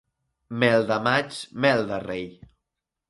Mel de maig, mel de rei.